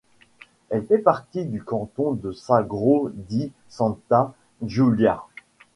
Elle fait partie du Canton de Sagro-di-Santa-Giulia.